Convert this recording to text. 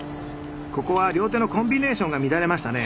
ここは両手のコンビネーションが乱れましたね。